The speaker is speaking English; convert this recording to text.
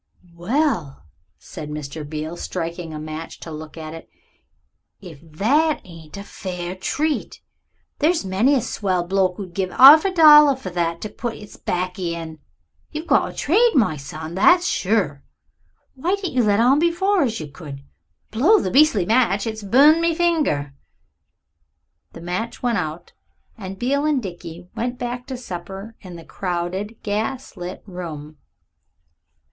"Well," said Mr. Beale, striking a match to look at it; "if that ain't a fair treat! There's many a swell bloke 'ud give 'arf a dollar for that to put 'is baccy in. You've got a trade, my son, that's sure. Why didn't you let on before as you could? Blow the beastly match! It's burned me finger." The match went out and Beale and Dickie went back to supper in the crowded, gas lit room.